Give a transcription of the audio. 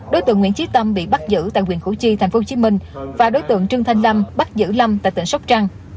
đối tượng nguyễn trí tâm bị bắt giữ tại quyện củ chi tp hcm và đối tượng trương thanh lâm bắt giữ lâm tại tỉnh sóc trăng